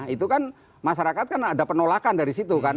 itu kan masyarakat kan ada penolakan dari situ kan